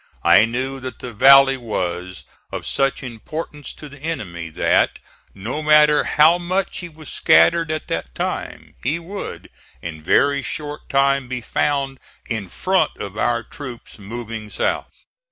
I knew that the valley was of such importance to the enemy that, no matter how much he was scattered at that time, he would in a very short time be found in front of our troops moving south.